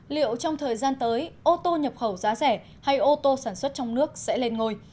liệu trong thời gian tới ô tô nhập khẩu giá rẻ hay ô tô sản xuất trong nước sẽ lên ngôi